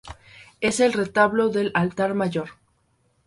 Es el retablo del altar mayor.